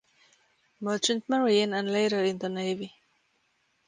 Merchant Marine and later in the Navy.